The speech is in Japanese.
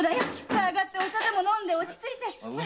さあ上がってお茶でも飲んで落ち着いて。